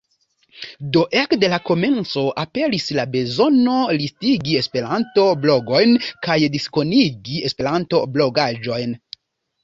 Do ekde la komenco aperis la bezono listigi esperanto-blogojn kaj diskonigi esperanto-blogaĵojn.